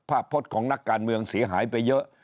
พจน์ของนักการเมืองเสียหายไปเยอะ